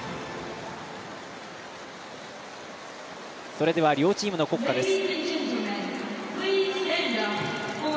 それでは両チームの国歌です。